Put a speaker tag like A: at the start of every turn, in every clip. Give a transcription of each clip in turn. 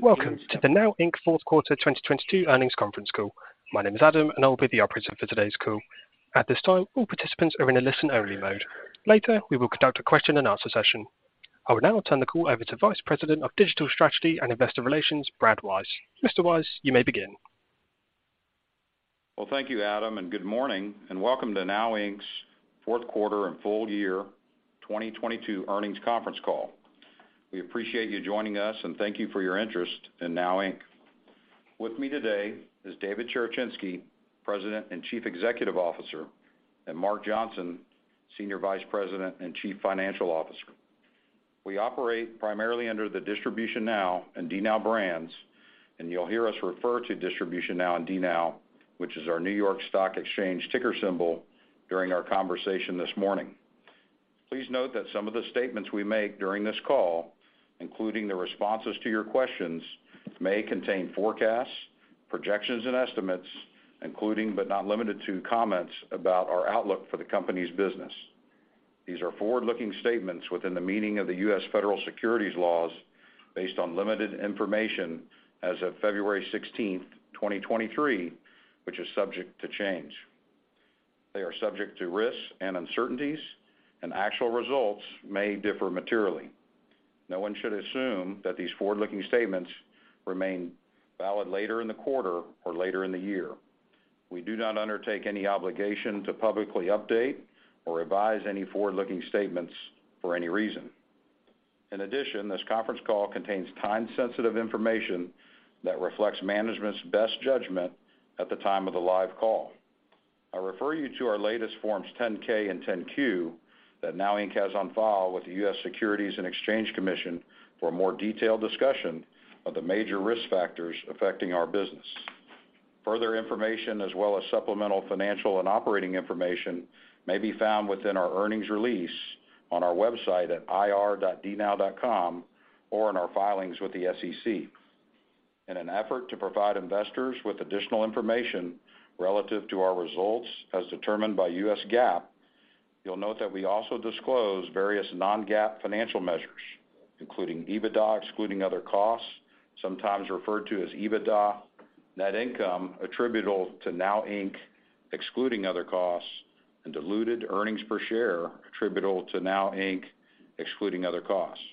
A: Welcome to the NOW Inc. Q4 2022 Earnings Conference Call. My name is Adam, and I'll be the operator for today's call. At this time, all participants are in a listen-only mode. Later, we will conduct a question and answer session. I will now turn the call over to Vice President of Digital Strategy and Investor Relations, Brad Wise. Mr. Wise, you may begin.
B: Thank you, Adam, and good morning, and welcome to NOW Inc.'s Q4 and Full Year 2022 Earnings Conference Call. We appreciate you joining us, and thank you for your interest in NOW Inc. With me today is David Cherechinsky, President and Chief Executive Officer, and Mark Johnson, Senior Vice President and Chief Financial Officer. We operate primarily under the DistributionNOW and DNOW brands, and you'll hear us refer to Distribution NOW and DNOW, which is our New York Stock Exchange ticker symbol, during our conversation this morning. Please note that some of the statements we make during this call, including the responses to your questions, may contain forecasts, projections, and estimates, including, but not limited to, comments about our outlook for the company's business. These are forward-looking statements within the meaning of the U.S. federal securities laws based on limited information as of February 16, 2023, which is subject to change. They are subject to risks and uncertainties. Actual results may differ materially. No one should assume that these forward-looking statements remain valid later in the quarter or later in the year. We do not undertake any obligation to publicly update or revise any forward-looking statements for any reason. In addition, this conference call contains time-sensitive information that reflects management's best judgment at the time of the live call. I refer you to our latest Forms 10-K and 10-Q that NOW Inc. has on file with the U.S. Securities and Exchange Commission for a more detailed discussion of the major risk factors affecting our business.
C: Further information as well as supplemental financial and operating information may be found within our earnings release on our website at ir.dnow.com or in our filings with the SEC. In an effort to provide investors with additional information relative to our results as determined by US GAAP, you'll note that we also disclose various non-GAAP financial measures, including EBITDA excluding other costs, sometimes referred to as EBITDA, net income attributable to NOW Inc. excluding other costs and diluted earnings per share attributable to NOW Inc. excluding other costs.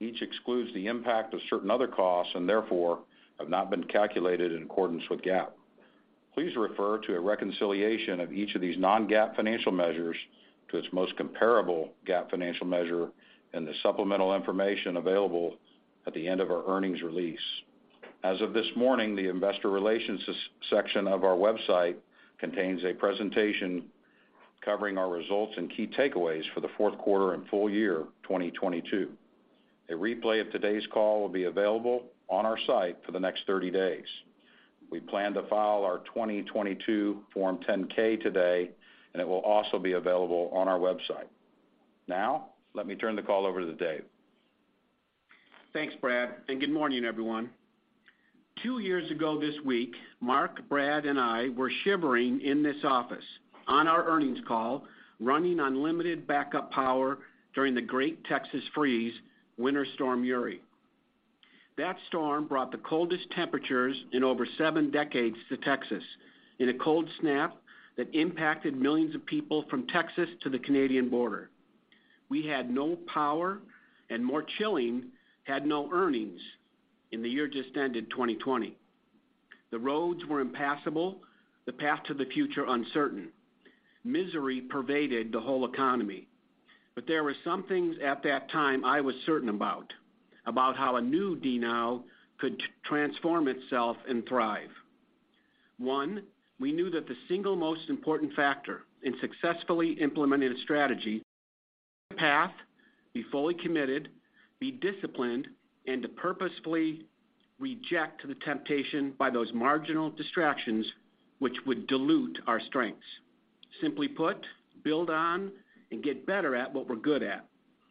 C: Each excludes the impact of certain other costs and therefore have not been calculated in accordance with GAAP. Please refer to a reconciliation of each of these non-GAAP financial measures to its most comparable GAAP financial measure and the supplemental information available at the end of our earnings release. As of this morning, the investor relations section of our website contains a presentation covering our results and key takeaways for the Q4 and Full Year 2022. A replay of today's call will be available on our site for the next 30 days. We plan to file our 2022 Form 10-K today, and it will also be available on our website. Let me turn the call over to Dave.
D: Thanks, Brad. Good morning, everyone. 2 years ago this week, Mark, Brad, and I were shivering in this office on our earnings call, running on limited backup power during the Great Texas Freeze Winter Storm Uri. That storm brought the coldest temperatures in over 7 decades to Texas in a cold snap that impacted millions of people from Texas to the Canadian border. We had no power, and more chilling, had no earnings in the year just ended, 2020. The roads were impassable, the path to the future uncertain. Misery pervaded the whole economy. There were some things at that time I was certain about how a new DNOW could transform itself and thrive. One, we knew that the single most important factor in successfully implementing a strategy, path, be fully committed, be disciplined, and to purposefully reject the temptation by those marginal distractions which would dilute our strengths. Simply put, build on and get better at what we're good at,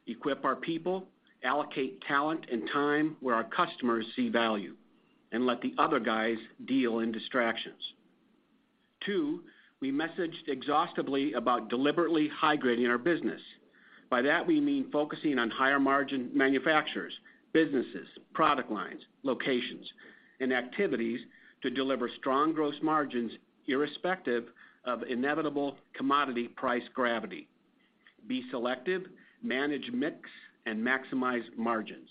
D: equip our people, allocate talent and time where our customers see value, and let the other guys deal in distractions. Two, we messaged exhaustively about deliberately high-grading our business. By that we mean focusing on higher-margin manufacturers, businesses, product lines, locations, and activities to deliver strong gross margins, irrespective of inevitable commodity price gravity. Be selective, manage mix, and maximize margins.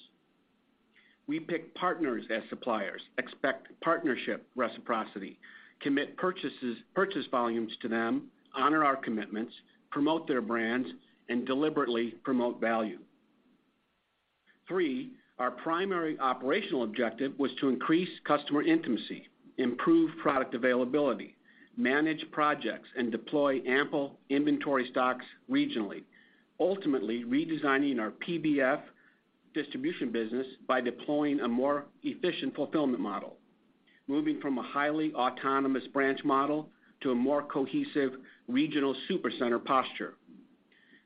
D: We pick partners as suppliers, expect partnership reciprocity, commit purchases, purchase volumes to them, honor our commitments, promote their brands, and deliberately promote value. Three, our primary operational objective was to increase customer intimacy, improve product availability, manage projects, and deploy ample inventory stocks regionally, ultimately redesigning our PVF distribution business by deploying a more efficient fulfillment model, moving from a highly autonomous branch model to a more cohesive regional super center posture.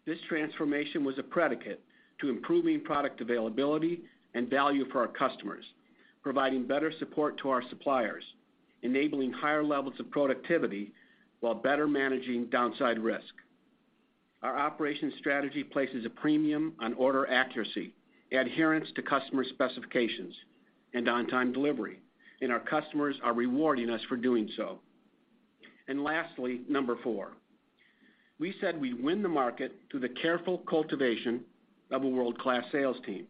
D: This transformation was a predicate to improving product availability and value for our customers, providing better support to our suppliers, enabling higher levels of productivity while better managing downside risk. Our operations strategy places a premium on order accuracy, adherence to customer specifications, and on-time delivery, and our customers are rewarding us for doing so. Lastly, number four, we said we'd win the market through the careful cultivation of a world-class sales team.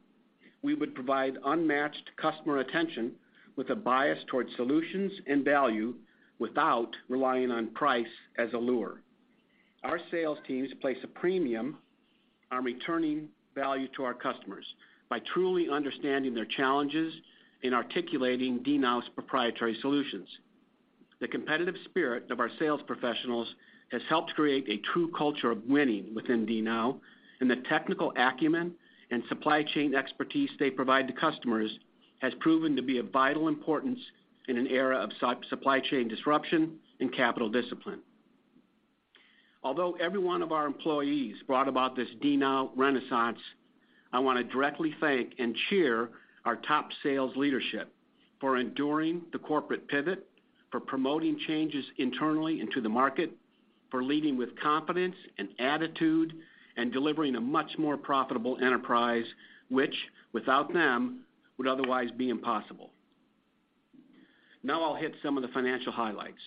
D: We would provide unmatched customer attention with a bias towards solutions and value without relying on price as a lure. Our sales teams place a premium on returning value to our customers by truly understanding their challenges in articulating DNOW's proprietary solutions. The competitive spirit of our sales professionals has helped create a true culture of winning within DNOW, and the technical acumen and supply chain expertise they provide to customers has proven to be of vital importance in an era of supply chain disruption and capital discipline. Although every one of our employees brought about this DNOW renaissance, I want to directly thank and cheer our top sales leadership for enduring the corporate pivot, for promoting changes internally into the market, for leading with confidence and attitude, and delivering a much more profitable enterprise, which, without them, would otherwise be impossible. I'll hit some of the financial highlights.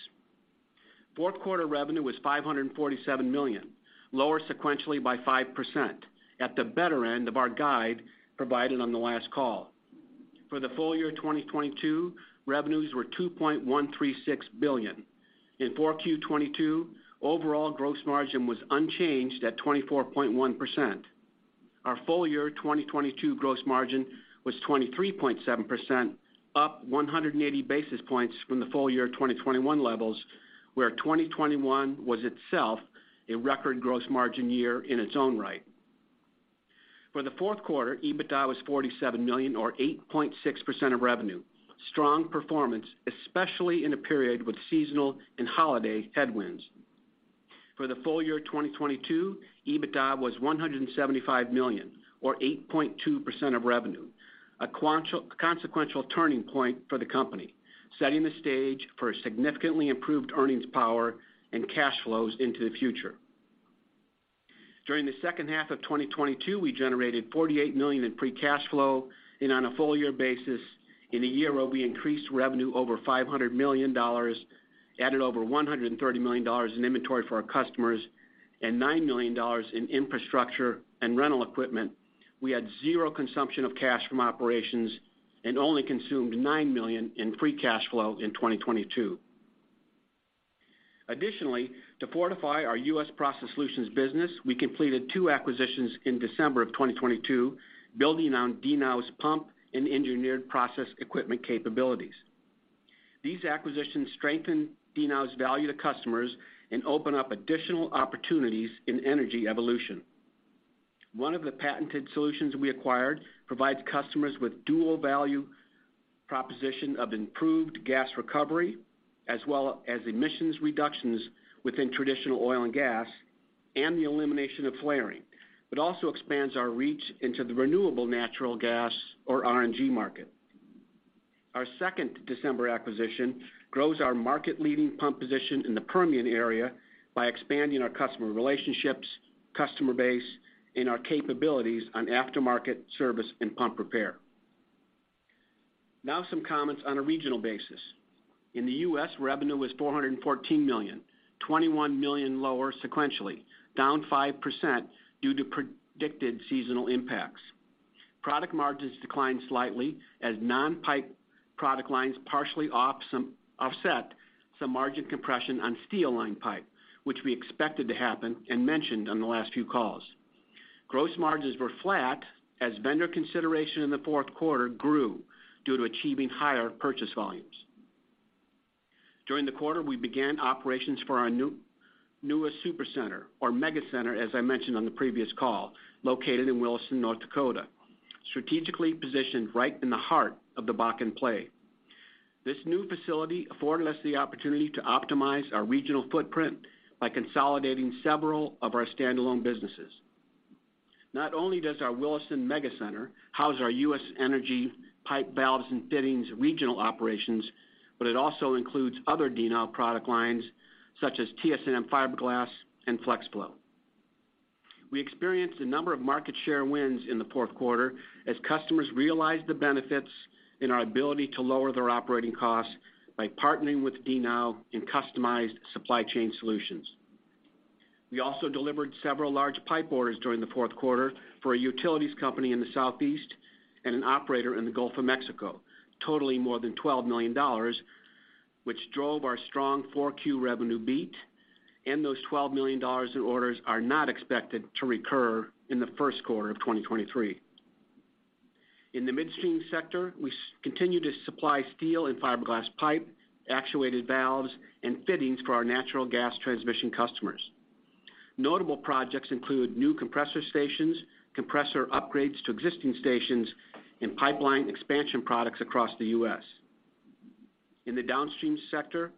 D: Q4 revenue was $547 million, lower sequentially by 5%, at the better end of our guide provided on the last call. For the Full Year 2022, revenues were $2.136 billion. In Q4 2022, overall gross margin was unchanged at 24.1%. Our Full Year 2022 gross margin was 23.7%, up 180 basis points from the Full Year 2021 levels, where 2021 was itself a record gross margin year in its own right. For the Q4, EBITDA was $47 million or 8.6% of revenue. Strong performance, especially in a period with seasonal and holiday headwinds. For the Full Year 2022, EBITDA was $175 million or 8.2% of revenue, a consequential turning point for the company, setting the stage for a significantly improved earnings power and cash flows into the future. During the H2 of 2022, we generated $48 million in free cash flow. On a full year basis, in a year where we increased revenue over $500 million, added over $130 million in inventory for our customers, and $9 million in infrastructure and rental equipment, we had zero consumption of cash from operations and only consumed $9 million in free cash flow in 2022. Additionally, to fortify our U.S. Process Solutions business, we completed two acquisitions in December of 2022, building on DNOW's pump and engineered process equipment capabilities. These acquisitions strengthen DNOW's value to customers and open up additional opportunities in energy evolution. One of the patented solutions we acquired provides customers with dual value proposition of improved gas recovery, as well as emissions reductions within traditional oil and gas, and the elimination of flaring. It also expands our reach into the renewable natural gas or RNG market. Our second December acquisition grows our market-leading pump position in the Permian area by expanding our customer relationships, customer base, and our capabilities on aftermarket service and pump repair. Some comments on a regional basis. In the U.S., revenue was $414 million, $21 million lower sequentially, down 5% due to predicted seasonal impacts. Product margins declined slightly as non-pipe product lines partially offset some margin compression on steel-lined pipe, which we expected to happen and mentioned on the last few calls. Gross margins were flat as vendor consideration in the Q4 grew due to achieving higher purchase volumes. During the quarter, we began operations for our newest super center, or mega center, as I mentioned on the previous call, located in Williston, North Dakota, strategically positioned right in the heart of the Bakken play. This new facility afforded us the opportunity to optimize our regional footprint by consolidating several of our standalone businesses. Not only does our Williston mega center house our U.S. energy pipe, valves, and fittings regional operations, but it also includes other DNOW product lines, such as TS&M Supply Fiberglass and FlexFlow. We experienced a number of market share wins in the Q4 as customers realized the benefits in our ability to lower their operating costs by partnering with DNOW in customized supply chain solutions. We also delivered several large pipe orders during the Q4 for a utilities company in the Southeast and an operator in the Gulf of Mexico, totaling more than $12 million, which drove our strong Q4 revenue beat. Those $12 million in orders are not expected to recur in the Q1 of 2023. In the midstream sector, we continue to supply steel and fiberglass pipe, actuated valves, and fittings for our natural gas transmission customers. Notable projects include new compressor stations, compressor upgrades to existing stations, and pipeline expansion products across the U.S. In the downstream sector,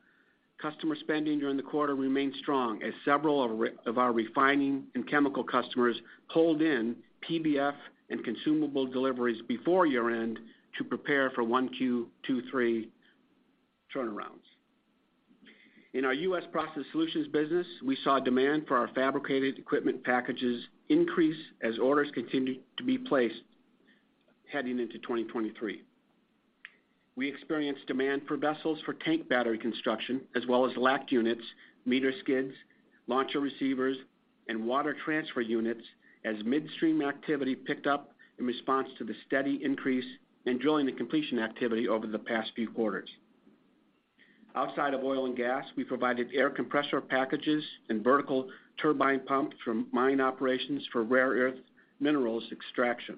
D: customer spending during the quarter remained strong as several of our refining and chemical customers pulled in PVF and consumable deliveries before year-end to prepare for Q1 2023 turnarounds. In our U.S. Process Solutions business, we saw demand for our fabricated equipment packages increase as orders continue to be placed heading into 2023. We experienced demand for vessels for tank battery construction, as well as LACT units, meter skids, launcher receivers, and water transfer units as midstream activity picked up in response to the steady increase in drilling and completion activity over the past few quarters. Outside of oil and gas, we provided air compressor packages and vertical turbine pump from mine operations for rare earth minerals extraction.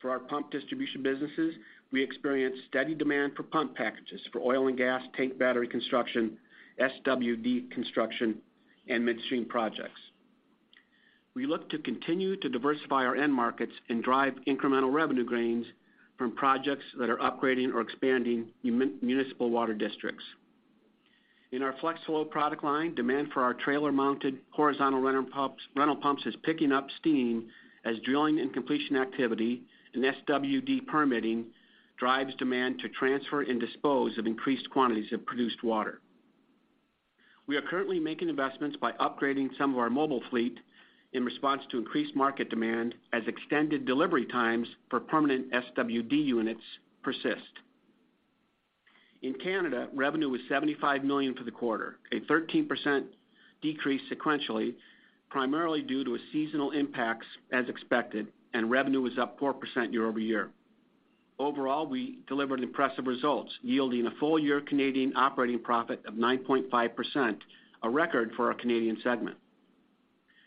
D: For our pump distribution businesses, we experienced steady demand for pump packages for oil and gas, tank battery construction, SWD construction, and midstream projects. We look to continue to diversify our end markets and drive incremental revenue gains from projects that are upgrading or expanding municipal water districts. In our FlexFlow product line, demand for our trailer-mounted horizontal rental pumps is picking up steam as drilling and completion activity and SWD permitting drives demand to transfer and dispose of increased quantities of produced water. We are currently making investments by upgrading some of our mobile fleet in response to increased market demand as extended delivery times for permanent SWD units persist. In Canada, revenue was $75 million for the quarter, a 13% decrease sequentially, primarily due to a seasonal impacts as expected, and revenue was up 4% year-over-year. Overall, we delivered impressive results, yielding a Full Year Canadian operating profit of 9.5%, a record for our Canadian segment.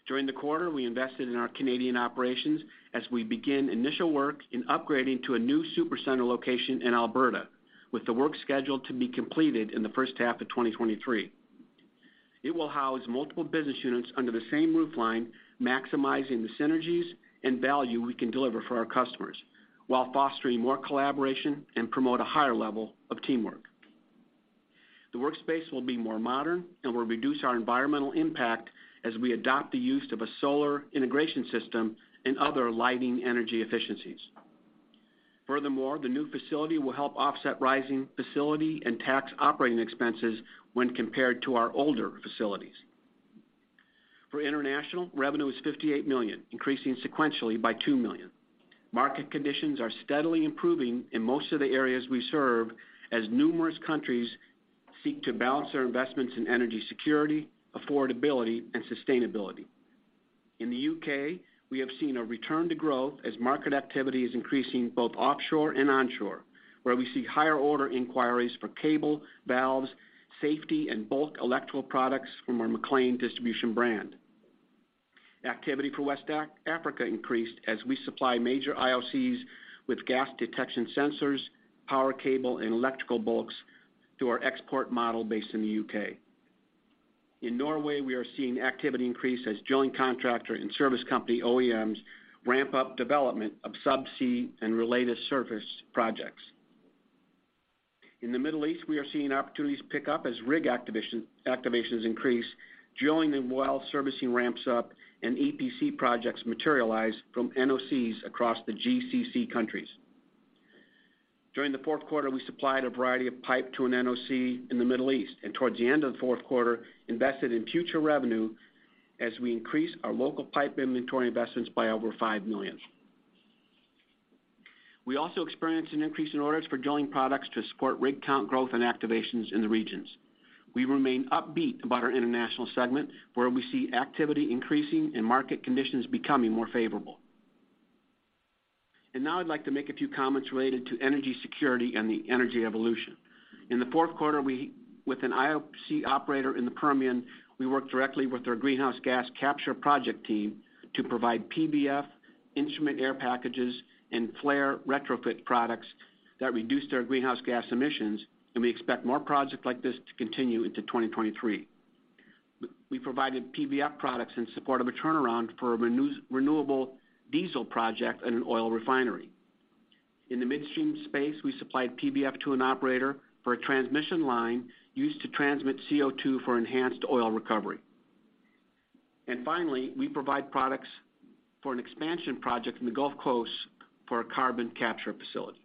D: During the quarter, we invested in our Canadian operations as we begin initial work in upgrading to a new supercenter location in Alberta, with the work scheduled to be completed in the H1 of 2023. It will house multiple business units under the same roof line, maximizing the synergies and value we can deliver for our customers while fostering more collaboration and promote a higher level of teamwork. The workspace will be more modern and will reduce our environmental impact as we adopt the use of a solar integration system and other lighting energy efficiencies. Furthermore, the new facility will help offset rising facility and tax operating expenses when compared to our older facilities. For international, revenue is $58 million, increasing sequentially by $2 million. Market conditions are steadily improving in most of the areas we serve as numerous countries seek to balance their investments in energy security, affordability, and sustainability. In the UK, we have seen a return to growth as market activity is increasing both offshore and onshore, where we see higher order inquiries for cable, valves, safety, and bulk electrical products from our MacLean Distribution brand. Activity for West Africa increased as we supply major IOCs with gas detection sensors, power cable, and electrical bulks through our export model based in the UK. In Norway, we are seeing activity increase as joint contractor and service company OEMs ramp up development of subsea and related surface projects. In the Middle East, we are seeing opportunities pick up as rig activations increase, drilling and well servicing ramps up, and EPC projects materialize from NOCs across the GCC countries. During the Q4, we supplied a variety of pipe to an NOC in the Middle East, and towards the end of the Q4, invested in future revenue as we increased our local pipe inventory investments by over $5 million. We also experienced an increase in orders for drilling products to support rig count growth and activations in the regions. We remain upbeat about our international segment, where we see activity increasing and market conditions becoming more favorable. Now I'd like to make a few comments related to energy security and the energy evolution. In the Q4, we, with an IOC operator in the Permian, we worked directly with their greenhouse gas capture project team to provide PVF, instrument air packages, and flare retrofit products that reduced their greenhouse gas emissions, and we expect more projects like this to continue into 2023. We provided PVF products in support of a turnaround for a renewable diesel project at an oil refinery. In the midstream space, we supplied PVF to an operator for a transmission line used to transmit CO2 for enhanced oil recovery. Finally, we provide products for an expansion project in the Gulf Coast for a carbon capture facility.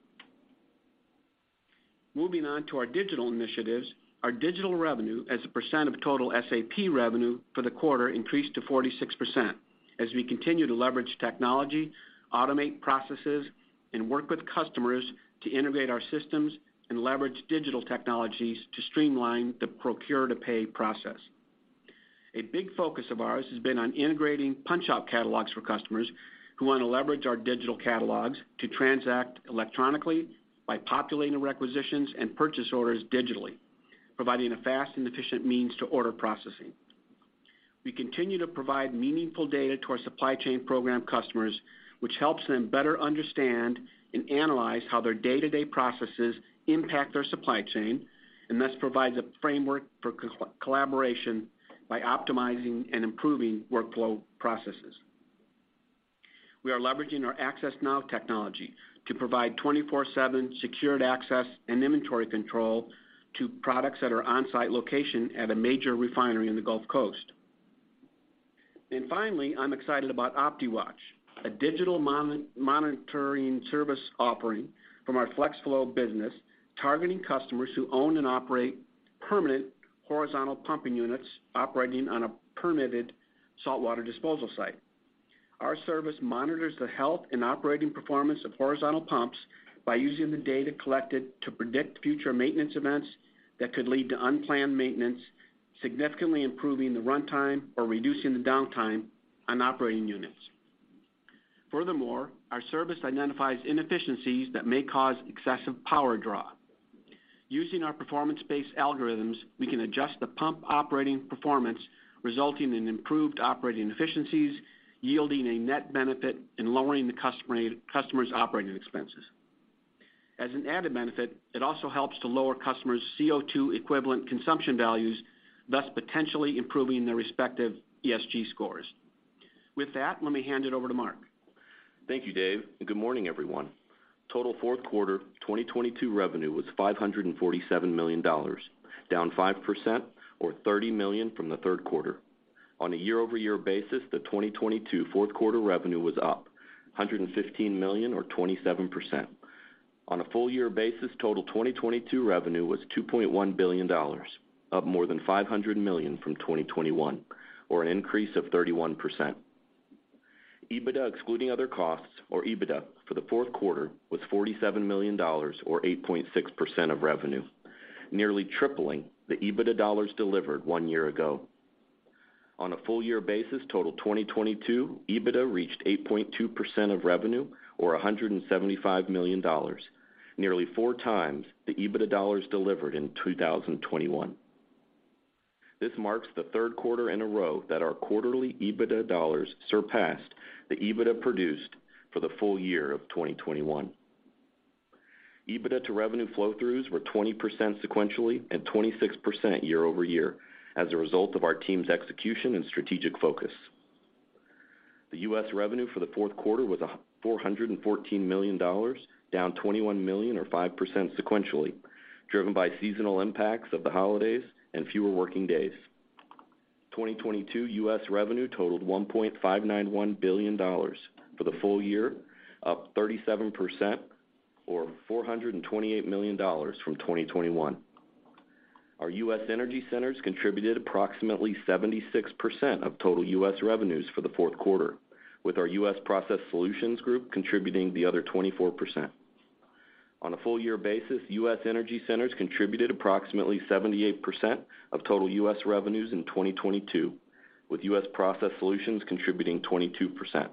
D: Moving on to our digital initiatives, our digital revenue as a percent of total SAP revenue for the quarter increased to 46% as we continue to leverage technology, automate processes, and work with customers to integrate our systems and leverage digital technologies to streamline the procure-to-pay process. A big focus of ours has been on integrating PunchOut catalogs for customers who want to leverage our digital catalogs to transact electronically by populating the requisitions and purchase orders digitally, providing a fast and efficient means to order processing. We continue to provide meaningful data to our supply chain program customers, which helps them better understand and analyze how their day-to-day processes impact their supply chain, and thus provides a framework for collaboration by optimizing and improving workflow processes. We are leveraging our AccessNOW technology to provide 24/7 secured access and inventory control to products that are on-site location at a major refinery in the Gulf Coast. Finally, I'm excited about OptiWatch, a digital monitoring service offering from our FlexFlow business, targeting customers who own and operate permanent horizontal pumping units operating on a permitted saltwater disposal site. Our service monitors the health and operating performance of horizontal pumps by using the data collected to predict future maintenance events that could lead to unplanned maintenance, significantly improving the runtime or reducing the downtime on operating units. Furthermore, our service identifies inefficiencies that may cause excessive power draw. Using our performance-based algorithms, we can adjust the pump operating performance, resulting in improved operating efficiencies, yielding a net benefit, and lowering the customer's operating expenses. As an added benefit, it also helps to lower customers' CO2 equivalent consumption values, thus potentially improving their respective ESG scores. With that, let me hand it over to Mark.
E: Thank you, Dave. Good morning, everyone. Total Q4 2022 revenue was $547 million, down 5% or $30 million from the Q3. On a year-over-year basis, the 2022 Q4 revenue was up $115 million or 27%. On a full year basis, total 2022 revenue was $2.1 billion, up more than $500 million from 2021 or an increase of 31%. EBITDA, excluding other costs or EBITDA for the Q4, was $47 million or 8.6% of revenue, nearly tripling the EBITDA dollars delivered one year ago. On a full year basis, total 2022 EBITDA reached 8.2% of revenue or $175 million, nearly 4x the EBITDA dollars delivered in 2021. This marks the Q3 in a row that our quarterly EBITDA dollars surpassed the EBITDA produced for the Full Year of 2021. EBITDA to revenue flow-throughs were 20% sequentially and 26% year-over-year as a result of our team's execution and strategic focus. The U.S. revenue for the Q4 was $414 million, down $21 million or 5% sequentially, driven by seasonal impacts of the holidays and fewer working days. 2022 U.S. revenue totaled $1.591 billion for the full year, up 37% or $428 million from 2021. Our U.S. energy centers contributed approximately 76% of total U.S. revenues for the Q4, with our U.S. Process Solutions group contributing the other 24%. On a full year basis, US energy centers contributed approximately 78% of total US revenues in 2022, with U.S. Process Solutions contributing 22%.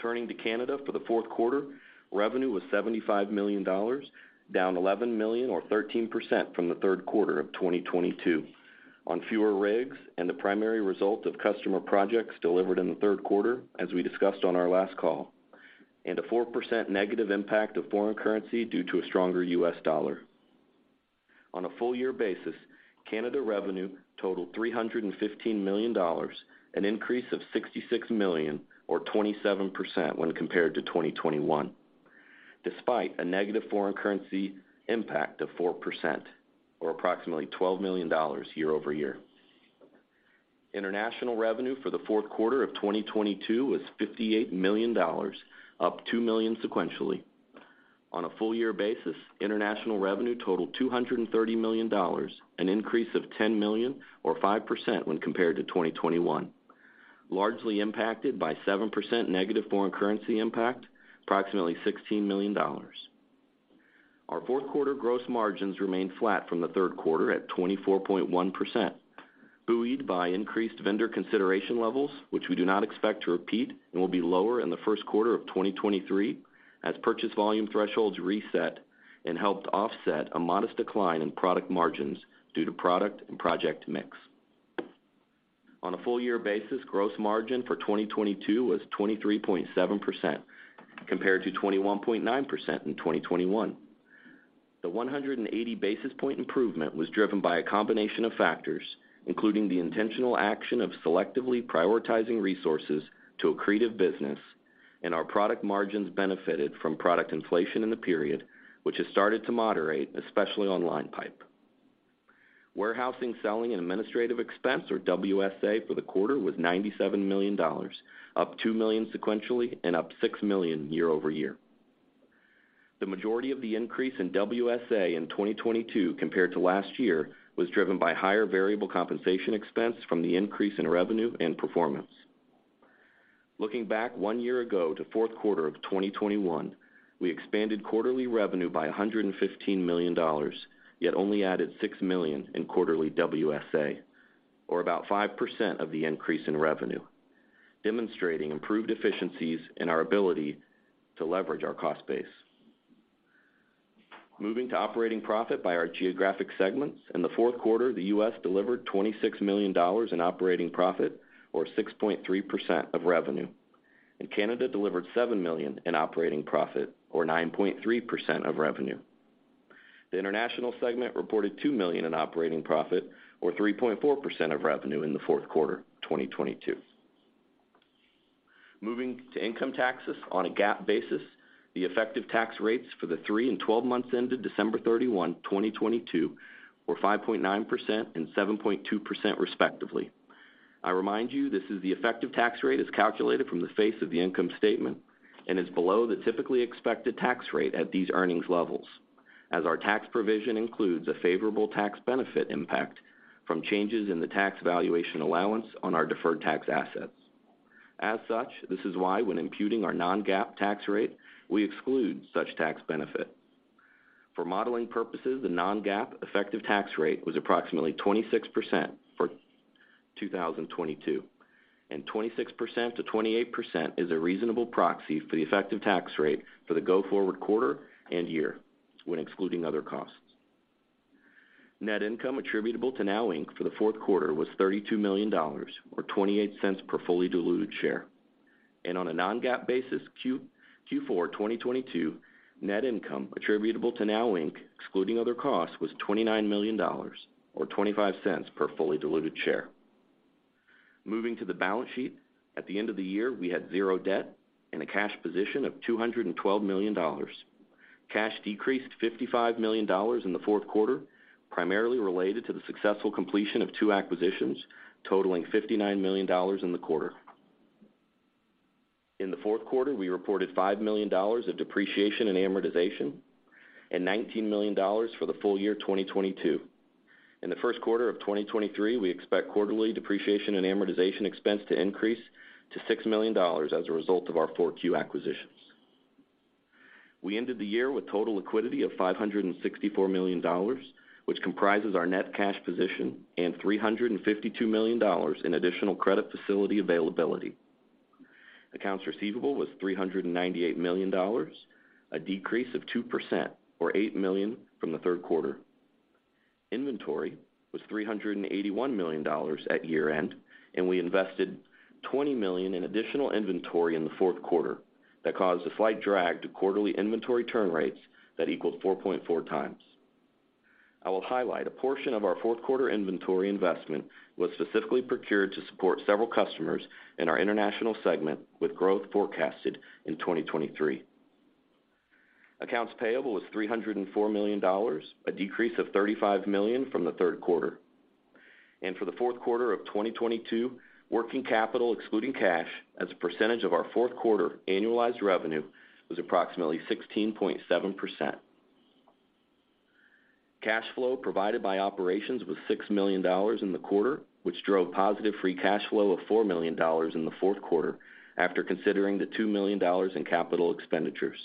E: Turning to Canada for the Q4, revenue was $75 million, down $11 million or 13% from the Q3 of 2022, on fewer rigs and the primary result of customer projects delivered in the Q3, as we discussed on our last call, and a 4% negative impact of foreign currency due to a stronger US dollar. On a full year basis, Canada revenue totaled $315 million, an increase of $66 million or 27% when compared to 2021, despite a negative foreign currency impact of 4% or approximately $12 million year-over-year. International revenue for the Q4 of 2022 was $58 million, up $2 million sequentially. On a full year basis, international revenue totaled $230 million, an increase of $10 million or 5% when compared to 2021, largely impacted by 7% negative foreign currency impact, approximately $16 million. Our Q4 gross margins remained flat from the Q3 at 24.1%, buoyed by increased vendor consideration levels, which we do not expect to repeat and will be lower in the Q1 of 2023 as purchase volume thresholds reset and helped offset a modest decline in product margins due to product and project mix. On a full year basis, gross margin for 2022 was 23.7% compared to 21.9% in 2021. The 180 basis point improvement was driven by a combination of factors, including the intentional action of selectively prioritizing resources to accretive business and our product margins benefited from product inflation in the period, which has started to moderate, especially on line pipe. Warehousing, selling, and administrative expense, or WSA, for the quarter was $97 million, up $2 million sequentially and up $6 million year-over-year. The majority of the increase in WSA in 2022 compared to last year was driven by higher variable compensation expense from the increase in revenue and performance. Looking back one year ago to Q4 of 2021, we expanded quarterly revenue by $115 million, yet only added $6 million in quarterly WSA, or about 5% of the increase in revenue, demonstrating improved efficiencies in our ability to leverage our cost base. Moving to operating profit by our geographic segments. In the Q4, the US delivered $26 million in operating profit or 6.3% of revenue, and Canada delivered $7 million in operating profit or 9.3% of revenue. The international segment reported $2 million in operating profit or 3.4% of revenue in the Q4 of 2022. Moving to income taxes on a GAAP basis, the effective tax rates for the 3 and 12 months ended December 31, 2022 were 5.9% and 7.2% respectively. I remind you this is the effective tax rate as calculated from the face of the income statement and is below the typically expected tax rate at these earnings levels, as our tax provision includes a favorable tax benefit impact from changes in the tax valuation allowance on our deferred tax assets. As such, this is why when imputing our non-GAAP tax rate, we exclude such tax benefit. For modeling purposes, the non-GAAP effective tax rate was approximately 26% for 2022, and 26%-28% is a reasonable proxy for the effective tax rate for the go-forward quarter and year when excluding other costs. Net income attributable to NOW Inc. for the Q4 was $32 million, or $0.28 per fully diluted share. On a non-GAAP basis, Q4 2022 net income attributable to NOW Inc., excluding other costs, was $29 million, or $0.25 per fully diluted share. Moving to the balance sheet, at the end of the year, we had 0 debt and a cash position of $212 million. Cash decreased $55 million in the Q4, primarily related to the successful completion of two acquisitions totaling $59 million in the quarter. In the Q4, we reported $5 million of depreciation and amortization and $19 million for the Full Year 2022. In the Q1 of 2023, we expect quarterly depreciation and amortization expense to increase to $6 million as a result of our Q4 acquisitions. We ended the year with total liquidity of $564 million, which comprises our net cash position and $352 million in additional credit facility availability. Accounts receivable was $398 million, a decrease of 2% or $8 million from the Q3. Inventory was $381 million at year-end, and we invested $20 million in additional inventory in the Q4 that caused a slight drag to quarterly inventory turn rates that equaled 4.4x. I will highlight a portion of our Q4 inventory investment was specifically procured to support several customers in our international segment with growth forecasted in 2023. Accounts payable was $304 million, a decrease of $35 million from the Q3. For the Q4 of 2022, working capital excluding cash as a percentage of our Q4 annualized revenue was approximately 16.7%. Cash flow provided by operations was $6 million in the quarter, which drove positive free cash flow of $4 million in the Q4 after considering the $2 million in capital expenditures.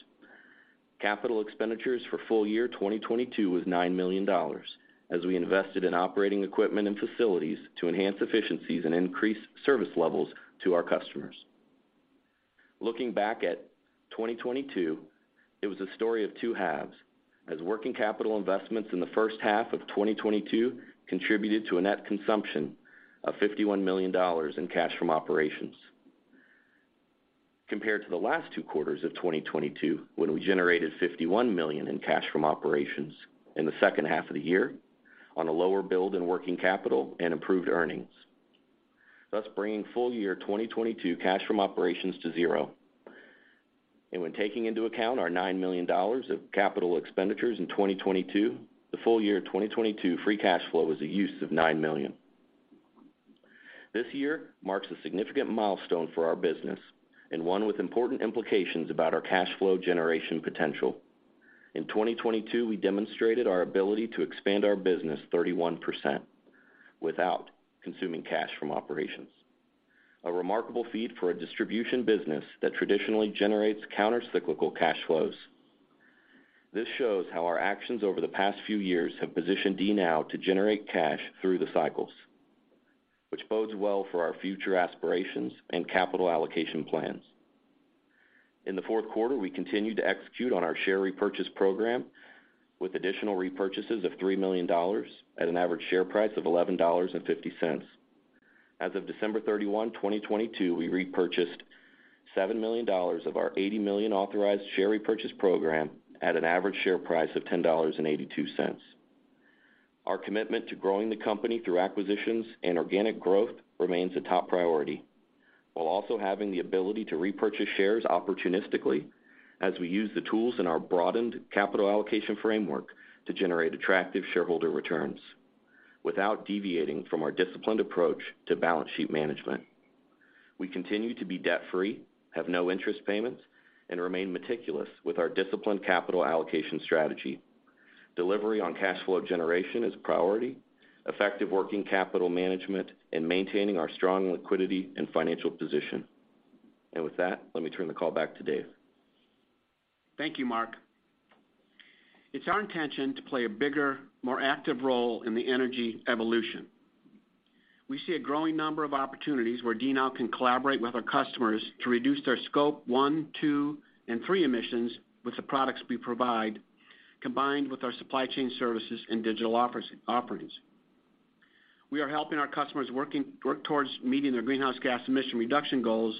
E: Capital expenditures for Full Year 2022 was $9 million as we invested in operating equipment and facilities to enhance efficiencies and increase service levels to our customers. Looking back at 2022, it was a story of two halves as working capital investments in the H1 of 2022 contributed to a net consumption of $51 million in cash from operations. Compared to the last two quarters of 2022, when we generated $51 million in cash from operations in the H2 of the year on a lower build in working capital and improved earnings, thus bringing Full Year 2022 cash from operations to 0. When taking into account our $9 million of capital expenditures in 2022, the Full Year 2022 free cash flow was a use of $9 million. This year marks a significant milestone for our business and one with important implications about our cash flow generation potential. In 2022, we demonstrated our ability to expand our business 31% without consuming cash from operations, a remarkable feat for a distribution business that traditionally generates countercyclical cash flows. This shows how our actions over the past few years have positioned DNOW to generate cash through the cycles, which bodes well for our future aspirations and capital allocation plans. In the Q4, we continued to execute on our share repurchase program with additional repurchases of $3 million at an average share price of $11.50. As of December 31, 2022, we repurchased $7 million of our $80 million authorized share repurchase program at an average share price of $10.82. Our commitment to growing the company through acquisitions and organic growth remains a top priority, while also having the ability to repurchase shares opportunistically as we use the tools in our broadened capital allocation framework to generate attractive shareholder returns without deviating from our disciplined approach to balance sheet management. We continue to be debt-free, have no interest payments, and remain meticulous with our disciplined capital allocation strategy. Delivery on cash flow generation is a priority, effective working capital management, and maintaining our strong liquidity and financial position. With that, let me turn the call back to Dave.
D: Thank you, Mark. It's our intention to play a bigger, more active role in the energy evolution. We see a growing number of opportunities where DNOW can collaborate with our customers to reduce their Scope 1, 2, and 3 emissions with the products we provide, combined with our supply chain services and digital offerings. We are helping our customers work towards meeting their greenhouse gas emission reduction goals,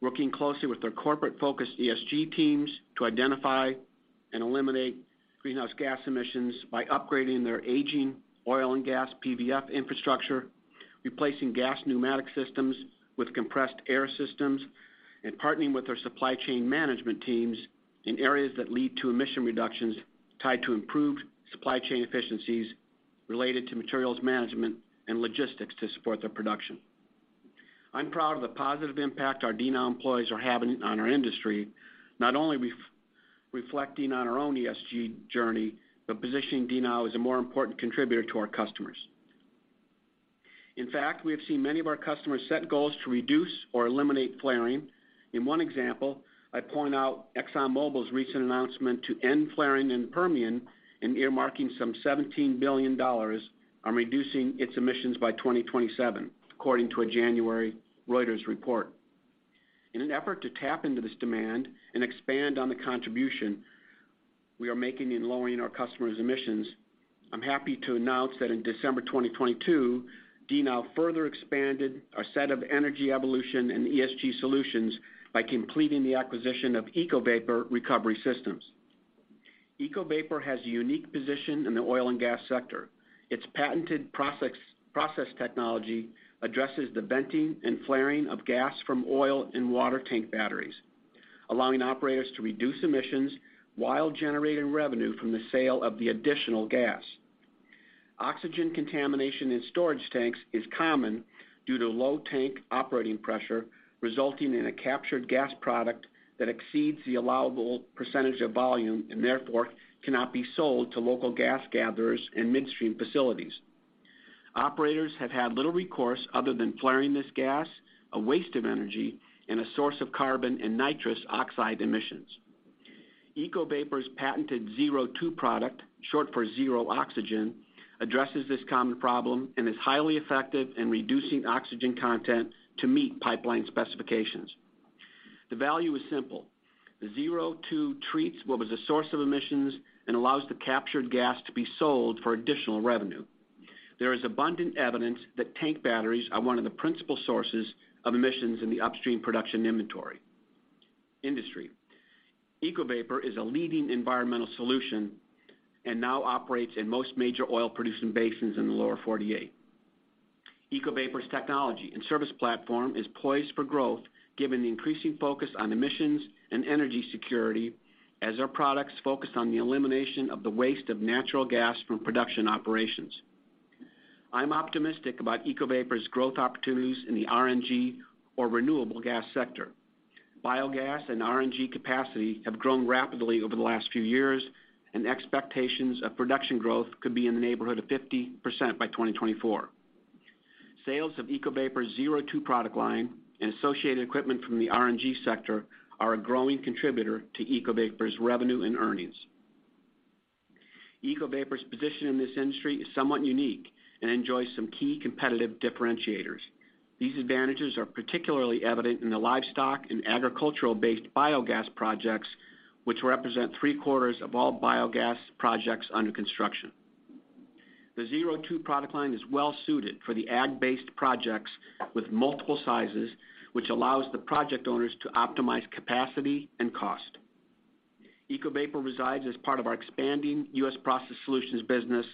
D: working closely with their corporate-focused ESG teams to identify and eliminate greenhouse gas emissions by upgrading their aging oil and gas PVF infrastructure, replacing gas pneumatic systems with compressed air systems, and partnering with our supply chain management teams in areas that lead to emission reductions tied to improved supply chain efficiencies related to materials management and logistics to support their production. I'm proud of the positive impact our DNOW employees are having on our industry, not only reflecting on our own ESG journey, but positioning DNOW as a more important contributor to our customers. We have seen many of our customers set goals to reduce or eliminate flaring. I point out ExxonMobil's recent announcement to end flaring in Permian and earmarking some $17 billion on reducing its emissions by 2027, according to a January Reuters report. In an effort to tap into this demand and expand on the contribution we are making in lowering our customers' emissions, I'm happy to announce that in December 2022, DNOW further expanded our set of energy evolution and ESG solutions by completing the acquisition of EcoVapor Recovery Systems. EcoVapor has a unique position in the oil and gas sector. Its patented process technology addresses the venting and flaring of gas from oil and water tank batteries, allowing operators to reduce emissions while generating revenue from the sale of the additional gas. Oxygen contamination in storage tanks is common due to low tank operating pressure, resulting in a captured gas product that exceeds the allowable percentage of volume, and therefore, cannot be sold to local gas gatherers and midstream facilities. Operators have had little recourse other than flaring this gas, a waste of energy, and a source of carbon and nitrous oxide emissions. EcoVapor's patented ZerO2 product, short for Zero Oxygen, addresses this common problem and is highly effective in reducing oxygen content to meet pipeline specifications. The value is simple. The ZerO2 treats what was a source of emissions and allows the captured gas to be sold for additional revenue. There is abundant evidence that tank batteries are one of the principal sources of emissions in the upstream production inventory industry. EcoVapor is a leading environmental solution and now operates in most major oil-producing basins in the Lower 48. EcoVapor's technology and service platform is poised for growth given the increasing focus on emissions and energy security as our products focus on the elimination of the waste of natural gas from production operations. I'm optimistic about EcoVapor's growth opportunities in the RNG or renewable gas sector. Biogas and RNG capacity have grown rapidly over the last few years, and expectations of production growth could be in the neighborhood of 50% by 2024. Sales of EcoVapor's ZerO2 product line and associated equipment from the RNG sector are a growing contributor to EcoVapor's revenue and earnings. EcoVapor's position in this industry is somewhat unique and enjoys some key competitive differentiators. These advantages are particularly evident in the livestock and agricultural-based biogas projects, which represent three-quarters of all biogas projects under construction. The ZerO2 product line is well suited for the ag-based projects with multiple sizes, which allows the project owners to optimize capacity and cost. EcoVapor resides as part of our expanding U.S. Process Solutions business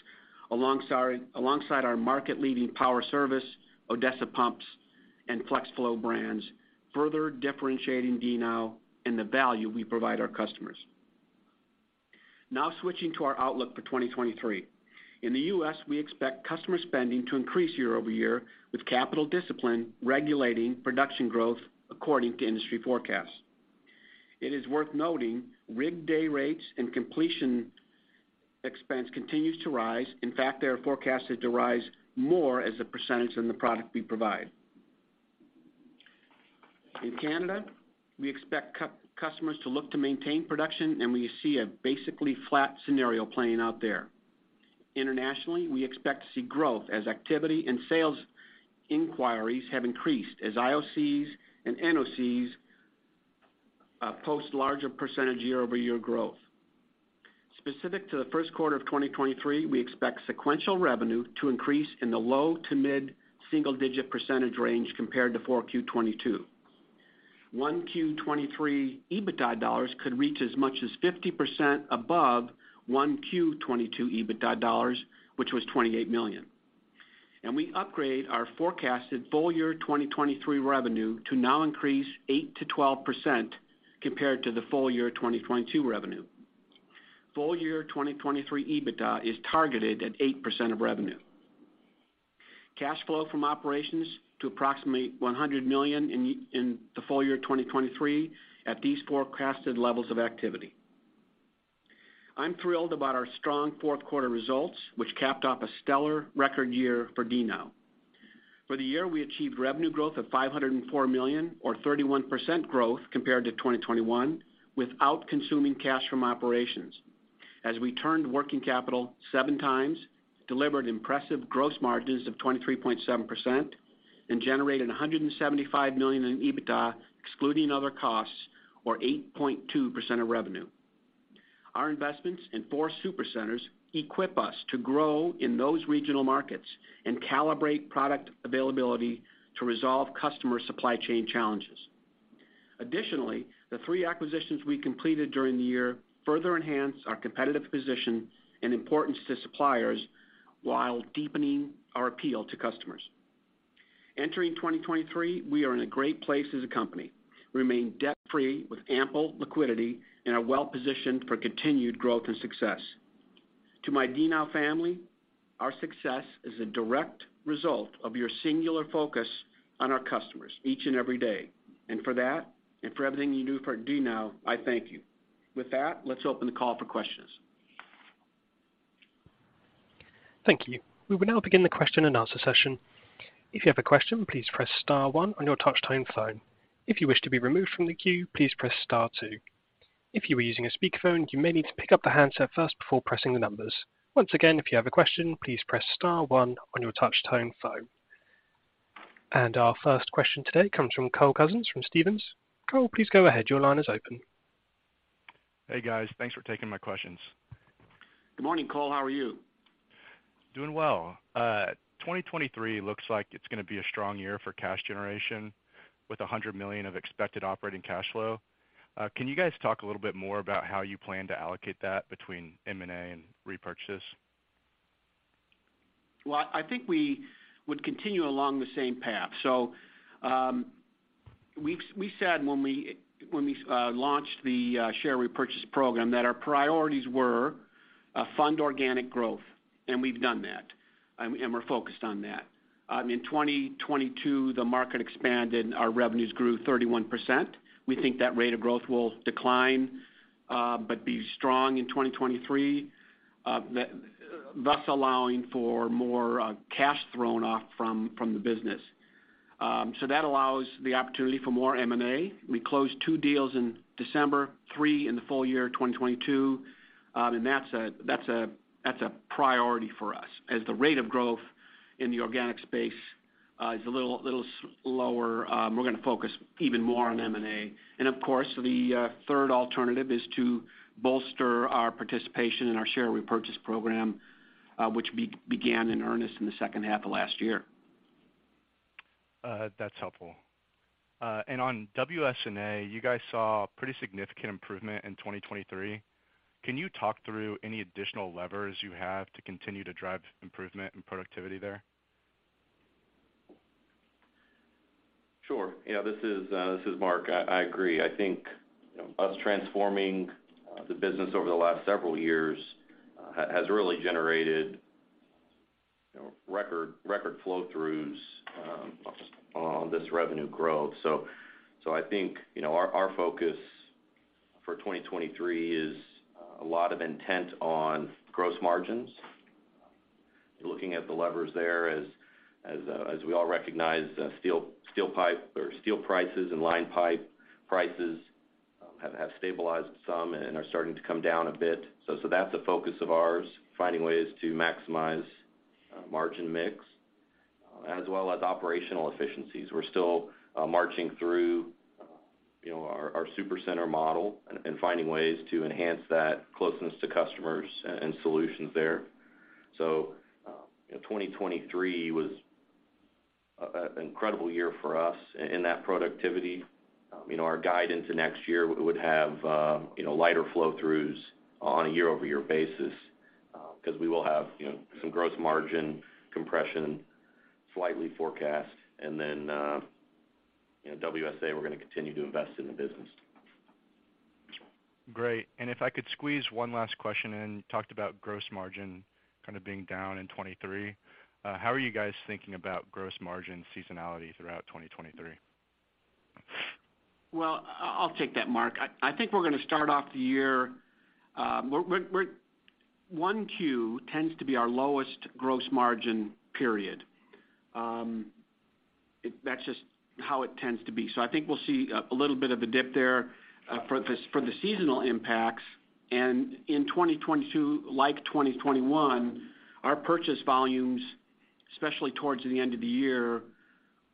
D: alongside our market-leading Power Service, Odessa Pumps, and FlexFlow brands, further differentiating DNOW and the value we provide our customers. Switching to our outlook for 2023. In the U.S., we expect customer spending to increase year-over-year with capital discipline regulating production growth according to industry forecasts. It is worth noting rig day rates and completion expense continues to rise. In fact, they are forecasted to rise more as a percentage than the product we provide. In Canada, we expect customers to look to maintain production, we see a basically flat scenario playing out there. Internationally, we expect to see growth as activity and sales inquiries have increased as IOCs and NOCs post larger % year-over-year growth. Specific to the Q1 of 2023, we expect sequential revenue to increase in the low to mid-single digit % range compared to Q4 2022. Q1 2023 EBITDA dollars could reach as much as 50% above Q1 2022 EBITDA dollars, which was $28 million. We upgrade our forecasted Full Year 2023 revenue to now increase 8%-12% compared to the Full Year 2022 revenue. Full Year 2023 EBITDA is targeted at 8% of revenue. Cash flow from operations to approximately $100 million in the Full Year 2023 at these forecasted levels of activity. I'm thrilled about our strong Q4 results, which capped off a stellar record year for DNOW. For the year, we achieved revenue growth of $504 million or 31% growth compared to 2021 without consuming cash from operations as we turned working capital 7x, delivered impressive gross margins of 23.7% and generated $175 million in EBITDA excluding other costs or 8.2% of revenue. Our investments in four super centers equip us to grow in those regional markets and calibrate product availability to resolve customer supply chain challenges. Additionally, the three acquisitions we completed during the year further enhanced our competitive position and importance to suppliers, while deepening our appeal to customers. Entering 2023, we are in a great place as a company. We remain debt-free with ample liquidity and are well-positioned for continued growth and success. To my DNOW family, our success is a direct result of your singular focus on our customers each and every day. For that and for everything you do for DNOW, I thank you. With that, let's open the call for questions.
A: Thank you. We will now begin the question-and-answer session. If you have a question, please press star one on your touchtone phone. If you wish to be removed from the queue, please press star two. If you are using a speakerphone, you may need to pick up the handset first before pressing the numbers. Once again, if you have a question, please press star one on your touchtone phone. Our first question today comes from Cole Couzens from Stephens. Cole, please go ahead. Your line is open.
F: Hey, guys. Thanks for taking my questions.
D: Good morning, Cole. How are you?
F: Doing well. 2023 looks like it's going to be a strong year for cash generation with $100 million of expected operating cash flow. Can you guys talk a little bit more about how you plan to allocate that between M&A and repurchases?
D: I think we would continue along the same path. We said when we launched the share repurchase program that our priorities were fund organic growth, and we've done that. We're focused on that. In 2022, the market expanded, and our revenues grew 31%. We think that rate of growth will decline, but be strong in 2023, thus allowing for more cash thrown off from the business. That allows the opportunity for more M&A. We closed two deals in December, three in the Full Year of 2022, and that's a priority for us. As the rate of growth in the organic space is a little slower, we're going to focus even more on M&A. Of course, the third alternative is to bolster our participation in our share repurchase program, which began in earnest in the H2 of last year.
F: That's helpful. On WS&A, you guys saw a pretty significant improvement in 2023. Can you talk through any additional levers you have to continue to drive improvement and productivity there?
E: Sure. Yeah, this is Mark. I agree. I think, you know, us transforming the business over the last several years has really generated, you know, record flow-throughs on this revenue growth. I think, you know, our focus for 2023 is a lot of intent on gross margins. Looking at the levers there as we all recognize, steel pipe or steel prices and line pipe prices have stabilized some and are starting to come down a bit. That's a focus of ours, finding ways to maximize margin mix as well as operational efficiencies. We're still marching through, you know, our super center model and finding ways to enhance that closeness to customers and solutions there. You know, 2023 was an incredible year for us in that productivity. You know, our guidance next year would have, you know, lighter flow-throughs on a year-over-year basis, 'cause we will have, you know, some gross margin compression slightly forecast. You know, WSA, we're going to continue to invest in the business.
F: Great. If I could squeeze one last question in. You talked about gross margin being down in 2023. How are you guys thinking about gross margin seasonality throughout 2023?
D: I'll take that, Mark. I think we're going to start off the year. Q1 tends to be our lowest gross margin period. That's just how it tends to be. I think we'll see a little bit of a dip there for the seasonal impacts. In 2022, like 2021, our purchase volumes, especially towards the end of the year,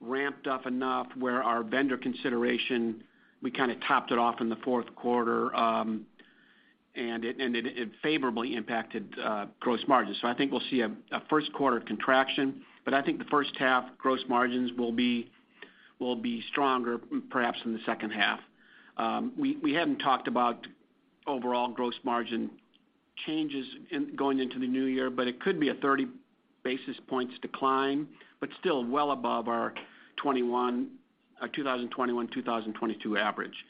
D: ramped up enough where our vendor consideration, capped it off in the Q4, and it favorably impacted gross margins. I think we'll see a Q1 contraction, I think the H1 gross margins will be stronger perhaps than the H2. We hadn't talked about overall gross margin changes going into the new year, but it could be a 30 basis points decline, but still well above our 2021/2022 average.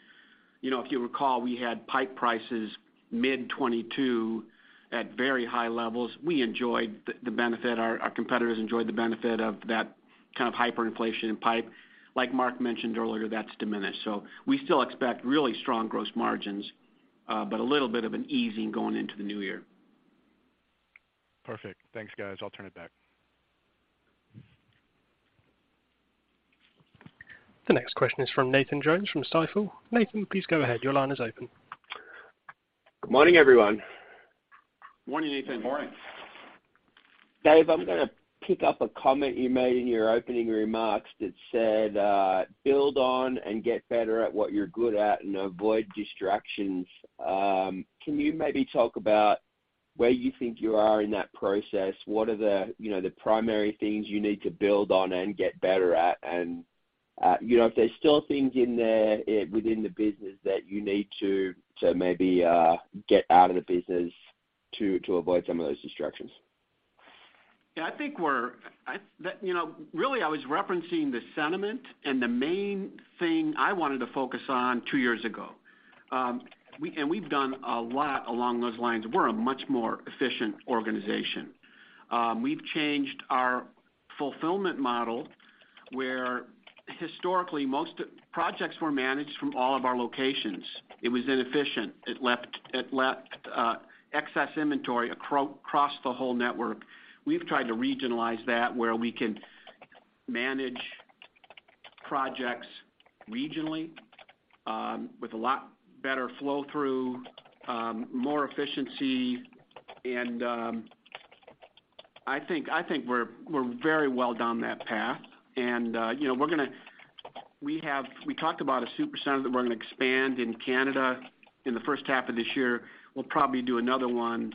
D: You know, if you recall, we had pipe prices mid 2022 at very high levels. We enjoyed the benefit, our competitors enjoyed the benefit of that hyperinflation in pipe. Like Mark mentioned earlier, that's diminished. We still expect really strong gross margins, but a little bit of an easing going into the new year.
F: Perfect. Thanks, guys. I'll turn it back.
A: The next question is from Nathan Jones from Stifel. Nathan, please go ahead. Your line is open.
G: Good morning, everyone.
D: Morning, Nathan.
E: Morning.
G: Dave, I'm going to pick up a comment you made in your opening remarks that said, "Build on and get better at what you're good at and avoid distractions." Can you maybe talk about where you think you are in that process, what are the, you know, the primary things you need to build on and get better at? You know, if there's still things in there within the business that you need to maybe get out of the business to avoid some of those distractions?
D: Yeah, I think we're. That, you know, really I was referencing the sentiment and the main thing I wanted to focus on two years ago. We've done a lot along those lines. We're a much more efficient organization. We've changed our fulfillment model, where historically, Projects were managed from all of our locations. It was inefficient. It left excess inventory across the whole network. We've tried to regionalize that where we can manage projects regionally, with a lot better flow through, more efficiency, and I think we're very well down that path. You know, we talked about a super center that we're going to expand in Canada in the H1 of this year. We'll probably do another one,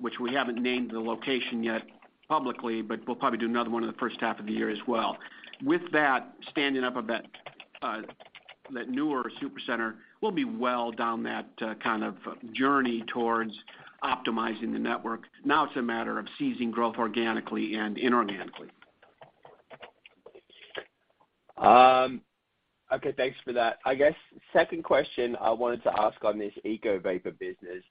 D: which we haven't named the location yet publicly, but we'll probably do another one in the H1 of the year as well. With that, standing up of that newer super center, we'll be well down that, journey towards optimizing the network. Now it's a matter of seizing growth organically and inorganically.
G: Okay. Thanks for that. I guess, second question I wanted to ask on this EcoVapor business.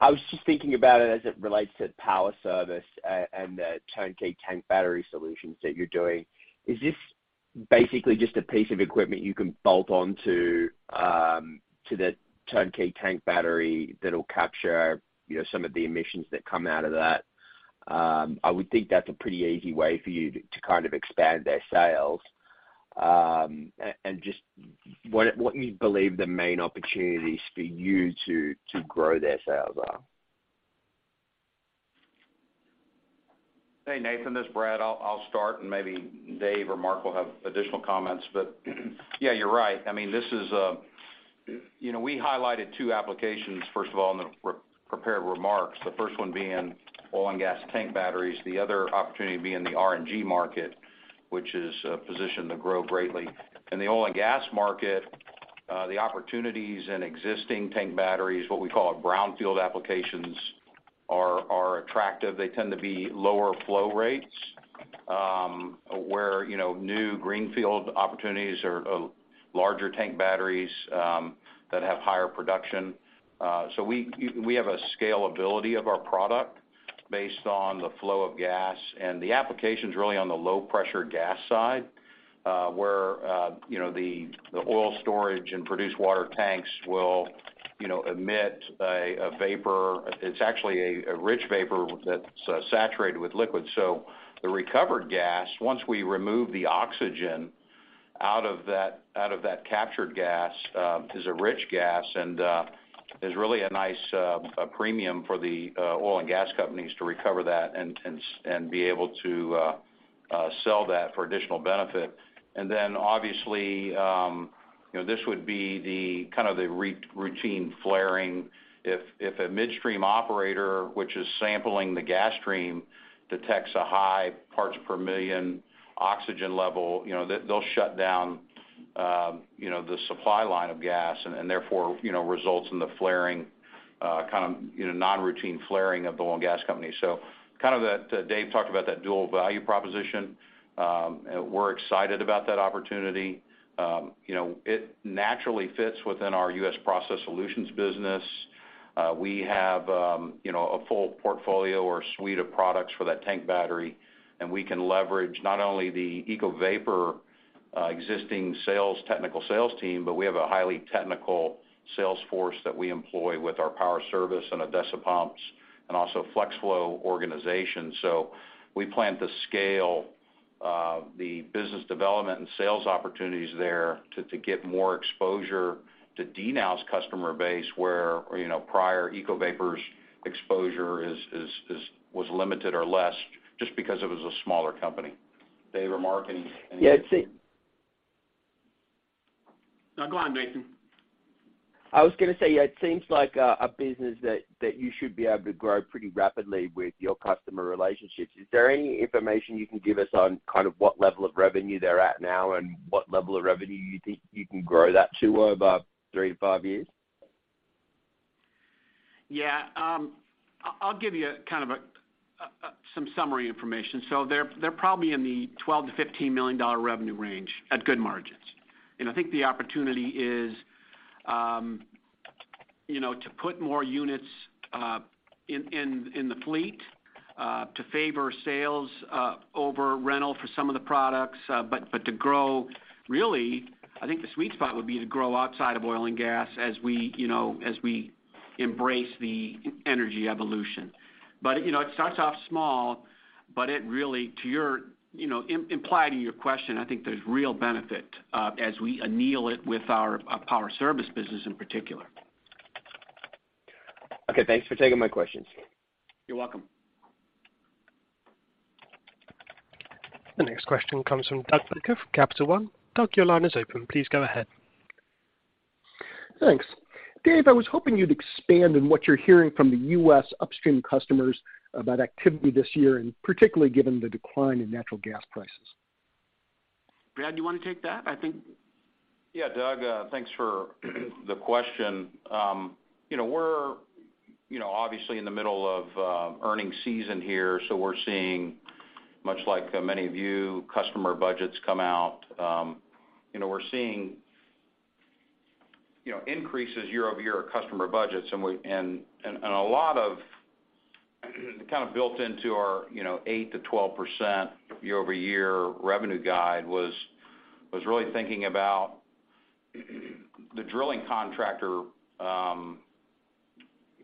G: I was just thinking about it as it relates to Power Service and the turnkey tank battery solutions that you're doing. Is this basically just a piece of equipment you can bolt on to the turnkey tank battery that'll capture, you know, some of the emissions that come out of that? I would think that's a pretty easy way for you to expand their sales. Just what you believe the main opportunities for you to grow their sales are?
B: Hey, Nathan, this Brad, I'll start, and maybe David or Mark will have additional comments. Yeah, you're right. I mean, you know, we highlighted 2 applications, first of all, in the pre-prepared remarks, the first one being oil and gas tank batteries, the other opportunity being the RNG market, which is positioned to grow greatly. In the oil and gas market, the opportunities in existing tank batteries, what we call brownfield applications, are attractive. They tend to be lower flow rates, where, you know, new greenfield opportunities are of larger tank batteries that have higher production. We have a scalability of our product based on the flow of gas. The application's really on the low pressure gas side, where, you know, the oil storage and produced water tanks will, you know, emit a vapor. It's actually a rich vapor that's saturated with liquid. The recovered gas, once we remove the oxygen out of that captured gas, is a rich gas and is really a nice premium for the oil and gas companies to recover that and be able to sell that for additional benefit. Obviously, you know, this would be the the re-routine flaring if a midstream operator, which is sampling the gas stream, detects a high parts per million oxygen level, you know, they'll shut down, you know, the supply line of gas and therefore, you know, results in the flaring,, you know, non-routine flaring of the oil and gas company. Kind of that, Dave talked about that dual value proposition. We're excited about that opportunity. You know, it naturally fits within our U.S. Process Solutions business. We have, you know, a full portfolio or suite of products for that tank battery, and we can leverage not only the EcoVapor existing sales, technical sales team, but we have a highly technical sales force that we employ with our Power Service and Odessa Pumps and also FlexFlow organization. We plan to scale the business development and sales opportunities there to get more exposure to DNOW's customer base where, you know, prior EcoVapor's exposure was limited or less just because it was a smaller company. Dave or Mark, any, anything?
D: Yeah. No, go on, Nathan.
G: I was going to say, yeah, it seems like a business that you should be able to grow pretty rapidly with your customer relationships. Is there any information you can give us on what level of revenue they're at now and what level of revenue you think you can grow that to over three to five years?
D: Yeah. I'll give you some summary information. They're probably in the $12 million-$15 million revenue range at good margins. I think the opportunity is, you know, to put more units in the fleet, to favor sales over rental for some of the products, but to grow, really, I think the sweet spot would be to grow outside of oil and gas as we, you know, as we embrace the e-energy evolution. You know, it starts off small, but it really to your, you know, implied in your question, I think there's real benefit as we anneal it with our Power Service business in particular.
G: Okay. Thanks for taking my questions.
D: You're welcome.
A: The next question comes from Doug Becker from Capital One. Doug, your line is open. Please go ahead.
H: Thanks. Dave, I was hoping you'd expand on what you're hearing from the U.S. upstream customers about activity this year, and particularly given the decline in natural gas prices.
D: Brad, you want to take that?
B: Yeah, Doug, thanks for the question. You know, we're, you know, obviously in the middle of earnings season here, we're seeing much like many of you, customer budgets come out. You know, we're seeing, you know, increases year-over-year of customer budgets, and a lot of built into our, you know, 8%-12% year-over-year revenue guide was really thinking about the drilling contractor,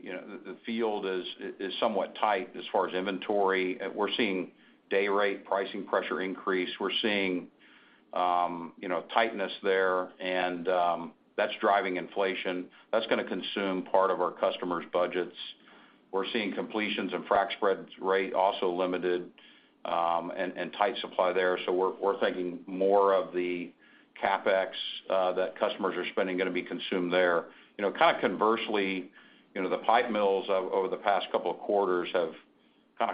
B: you know, the field is somewhat tight as far as inventory. We're seeing day rate pricing pressure increase. We're seeing, you know, tightness there, that's driving inflation. That's going to consume part of our customers' budgets. We're seeing completions and frac spreads rate also limited, and tight supply there. We're thinking more of the CapEx that customers are spending going to be consumed there. You know, conversely, you know, the pipe mills over the past couple of quarters have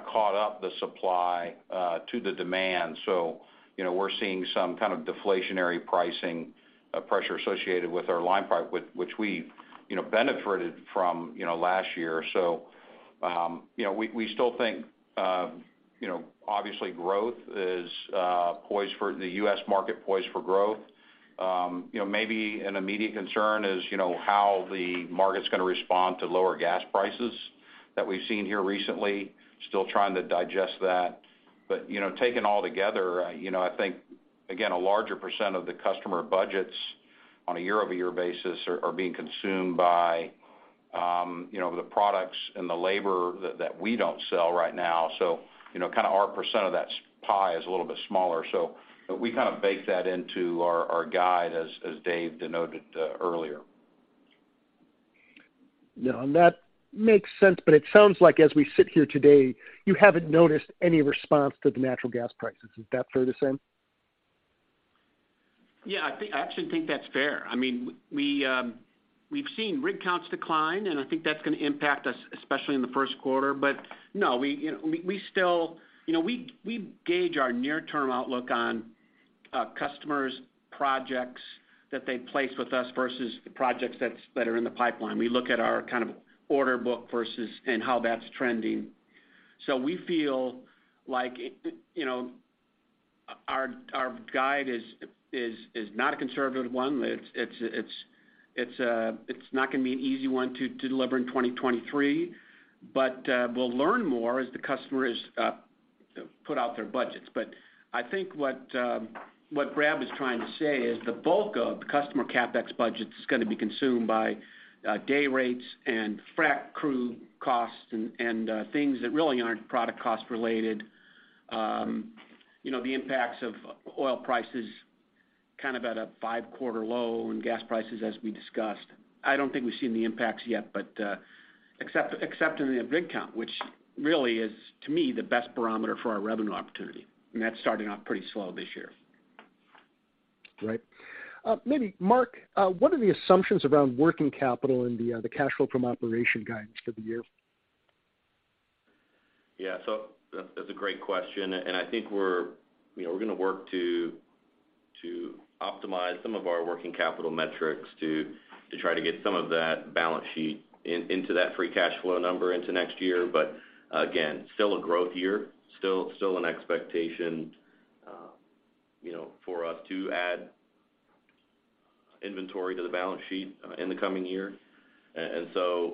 B: caught up the supply to the demand. You know, we're seeing some deflationary pricing pressure associated with our line pipe, which we, you know, benefited from, you know, last year. You know, we still think, you know, obviously growth is poised for the U.S. market, poised for growth. You know, maybe an immediate concern is, you know, how the market's going to respond to lower gas prices that we've seen here recently. Still trying to digest that. You know, taken all together, you know, I think, again, a larger % of the customer budgets on a year-over-year basis are being consumed by, you know, the products and the labor that we don't sell right now. So, you know, our % of that pie is a little bit smaller, so we bake that into our guide as Dave denoted, earlier.
H: Yeah, that makes sense, but it sounds like as we sit here today, you haven't noticed any response to the natural gas prices. Is that fair to say?
D: Yeah, I actually think that's fair. I mean, we've seen rig counts decline, and I think that's going to impact us, especially in the Q1. No, we, you know, we still... You know, we gauge our near-term outlook on customers' projects that they place with us versus the projects that are in the pipeline. We look at our order book versus and how that's trending. We feel like, you know, our guide is not a conservative one. It's not going to be an easy one to deliver in 2023. We'll learn more as the customers put out their budgets. I think what Brad was trying to say is the bulk of the customer CapEx budget's going to be consumed by day rates and frac crew costs and things that really aren't product cost related. You know, the impacts of oil prices at a 5-quarter low and gas prices as we discussed. I don't think we've seen the impacts yet, but except in the rig count, which really is, to me, the best barometer for our revenue opportunity, and that's starting off pretty slow this year.
H: Right. Maybe Mark, what are the assumptions around working capital and the cash flow from operation guidance for the year?
E: Yeah. That's a great question. I think we're, you know, we're going to work to optimize some of our working capital metrics to try to get some of that balance sheet into that free cash flow number into next year. Again, still a growth year, still an expectation, you know, for us to add inventory to the balance sheet in the coming year. You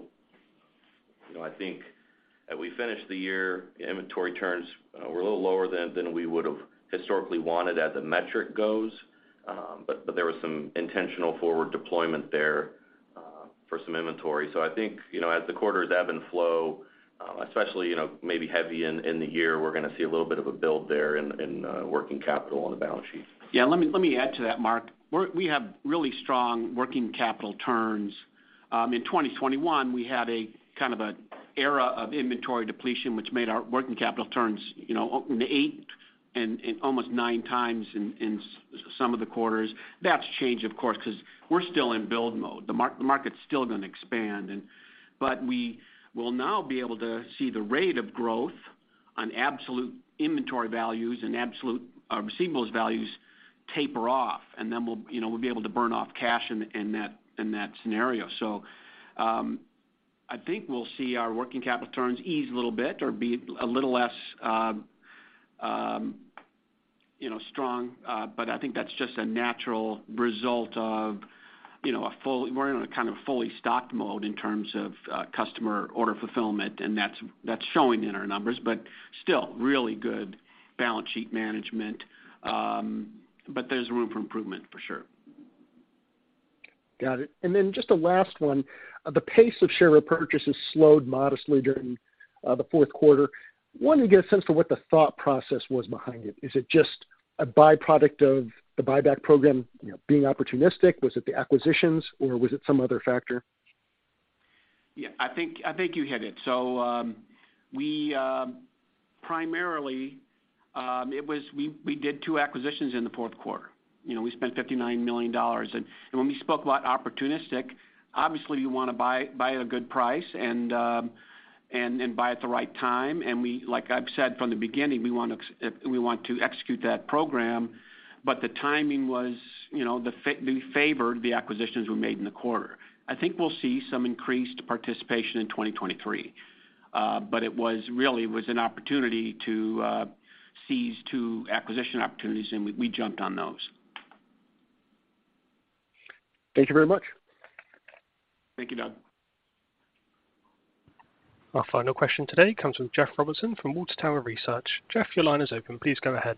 E: know, I think as we finish the year, inventory turns were a little lower than we would've historically wanted as the metric goes. There was some intentional forward deployment there for some inventory. I think, you know, as the quarters ebb and flow, especially, you know, maybe heavy in the year, we're going to see a little bit of a build there in working capital on the balance sheet.
D: Yeah, let me, let me add to that, Mark. We have really strong working capital turns. In 2021, we had a a era of inventory depletion, which made our working capital turns, you know, eight and almost 9x in some of the quarters. That's changed of course, 'cause we're still in build mode. The market's still going to expand but we will now be able to see the rate of growth on absolute inventory values and absolute receivables values taper off, and then we'll, you know, we'll be able to burn off cash in that, in that scenario. I think we'll see our working capital turns ease a little bit or be a little less, you know, strong. I think that's just a natural result of, you know, We're in a fully stocked mode in terms of customer order fulfillment, and that's showing in our numbers, but still, really good balance sheet management. There's room for improvement for sure.
H: Got it. Just a last one. The pace of share repurchases slowed modestly during the Q4. Wanted to get a sense for what the thought process was behind it. Is it just a byproduct of the buyback program, you know, being opportunistic? Was it the acquisitions, or was it some other factor?
D: Yeah, I think you hit it. We, primarily, it was we did two acquisitions in the Q4. You know, we spent $59 million. When we spoke about opportunistic, obviously you want to buy a good price and buy at the right time. Like I've said from the beginning, we want to execute that program, but the timing was, you know, we favored the acquisitions were made in the quarter. I think we'll see some increased participation in 2023. It was really, it was an opportunity to seize two acquisition opportunities, and we jumped on those.
H: Thank you very much.
D: Thank you, Doug.
A: Our final question today comes from Jeff Robertson from Water Tower Research. Jeff, your line is open. Please go ahead.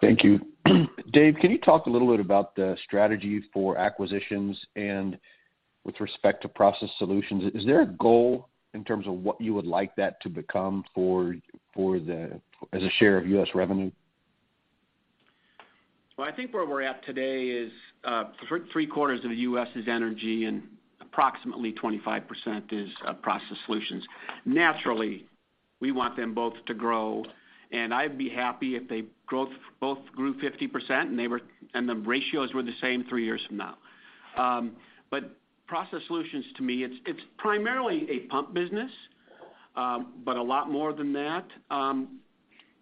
I: Thank you. Dave, can you talk a little bit about the strategy for acquisitions and with respect to process solutions? Is there a goal in terms of what you would like that to become for the as a share of U.S. revenue?
D: I think where we're at today is 3 quarters of the U.S. is energy and approximately 25% is Process Solutions. Naturally, we want them both to grow, and I'd be happy if they both grew 50% and the ratios were the same 3 years from now. Process Solutions to me, it's primarily a pump business, but a lot more than that.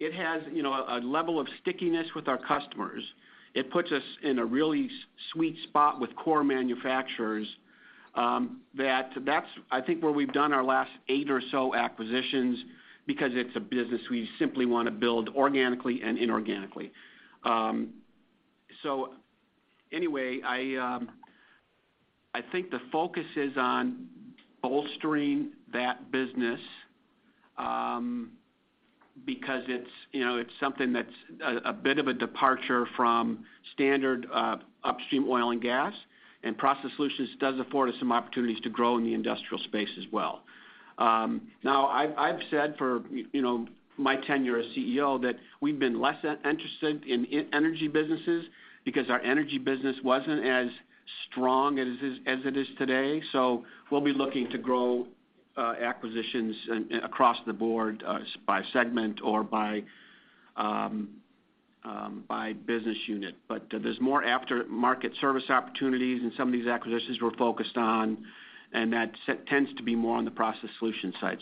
D: It has, you know, a level of stickiness with our customers. It puts us in a really sweet spot with core manufacturers, that's I think where we've done our last 8 or so acquisitions because it's a business we simply want to build organically and inorganically. Anyway, I think the focus is on bolstering that business because it's, you know, it's something that's a bit of a departure from standard upstream oil and gas, and process solutions does afford us some opportunities to grow in the industrial space as well. Now I've said for, you know, my tenure as CEO that we've been less interested in energy businesses because our energy business wasn't as strong as it is today. We'll be looking to grow acquisitions and, across the board, by segment or by business unit. There's more aftermarket service opportunities and some of these acquisitions we're focused on, and that tends to be more on the process solution side.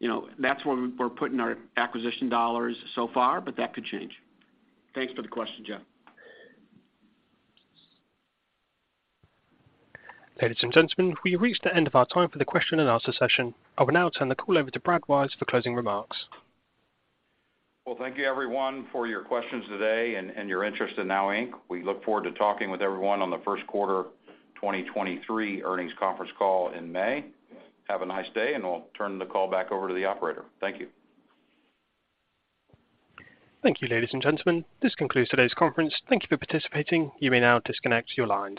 D: You know, that's where we're putting our acquisition dollars so far, but that could change. Thanks for the question, Jeff.
A: Ladies and gentlemen, we've reached the end of our time for the question and answer session. I will now turn the call over to Brad Wise for closing remarks.
B: Well, thank you everyone for your questions today and your interest in NOW Inc. We look forward to talking with everyone on the Q1 2023 Earnings Conference Call in May. Have a nice day, and I'll turn the call back over to the operator. Thank you.
A: Thank you, ladies and gentlemen. This concludes today's conference. Thank you for participating. You may now disconnect your lines.